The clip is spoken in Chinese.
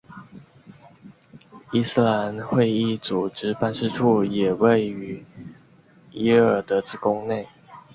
伊斯兰会议组织办事处也位于耶尔德兹宫内。